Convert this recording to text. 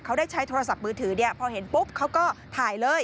เขาได้ใช้โทรศัพท์มือถือพอเห็นปุ๊บเขาก็ถ่ายเลย